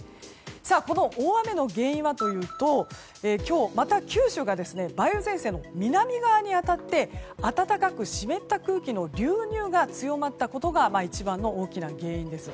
この大雨の原因はというと今日、また九州が梅雨前線の南側に当たって暖かく湿った空気の流入が強まったことが一番の大きな原因です。